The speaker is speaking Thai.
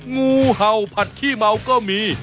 งูเห่าผัดขี้เมาก็มี